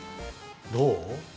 どう？